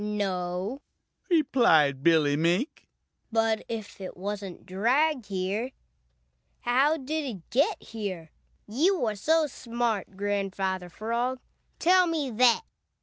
"No," replied Billy Mink, "but if it wasn't dragged here, how did it get here? You are so smart, Grandfather Frog, tell me that!"